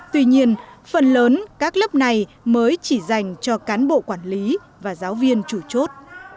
tuy nhiên phần lớn các lớp này mới chỉ dành cho cán bộ quản lý và giáo viên chủ chốt